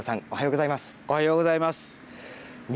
おはようございます。